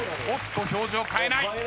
おっと表情変えない。